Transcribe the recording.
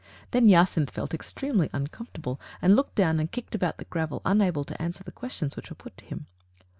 '* Then Jacynth felt extremely uncomfortable, and looked down and kicked about the gravel, unable to answer the questions which were put to him.